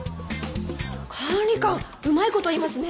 管理官うまい事言いますね！